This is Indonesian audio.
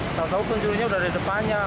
setahu tahu kunjungnya udah di depannya